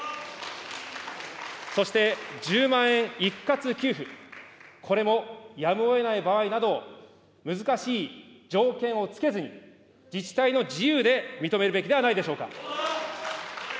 そして、１０万円一括給付、これもやむをえない場合など、難しい条件を付けずに、自治体の自由で認めるべきではないでしょうか。